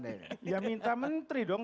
ya minta menteri dong